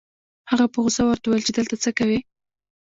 هغه په غصه ورته وويل چې دلته څه کوې؟